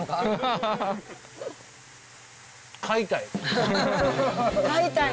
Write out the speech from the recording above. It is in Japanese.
買いたい。